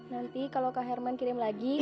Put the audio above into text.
nanti kalau kak herman kirim lagi